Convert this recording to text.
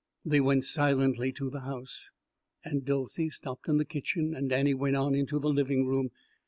They went silently to the house. Aunt Dolcey stopped in the kitchen and Annie went on into the living room.